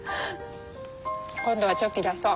今度はチョキ出そう。